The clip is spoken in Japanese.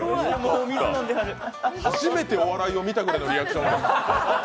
初めてお笑いを見たときのリアクションです。